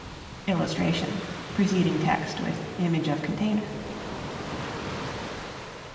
[Illustration: Preceding text with image container.